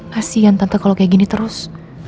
kasian tante kalau kayak gini terus